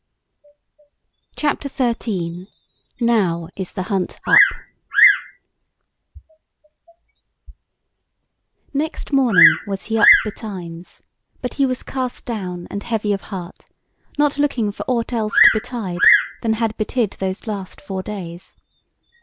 CHAPTER XIII: NOW IS THE HUNT UP Next morning was he up betimes, but he was cast down and heavy of heart, not looking for aught else to betide than had betid those last four days.